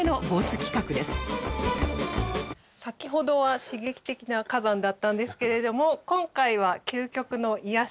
先ほどは刺激的な火山だったんですけれども今回は究極の癒やし。